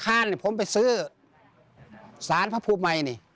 คือนั้นเนี่ยผมไปซื้อสารพระภูมินี่